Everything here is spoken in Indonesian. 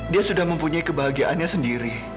dia sudah mempunyai kebahagiaannya sendiri